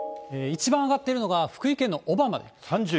一番上がっているのが、福井県の小浜。